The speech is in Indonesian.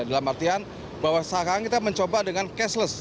dalam artian bahwa sekarang kita mencoba dengan cashless